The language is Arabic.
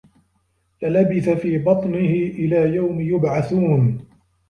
لَلَبِثَ في بَطنِهِ إِلى يَومِ يُبعَثونَ